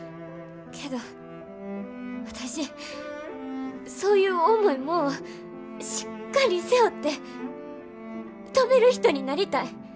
けど私そういう重いもんをしっかり背負って飛べる人になりたい。